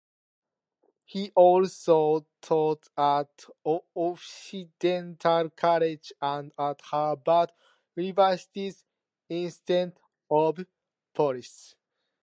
He also taught at Occidental College and at Harvard University's Institute of Politics.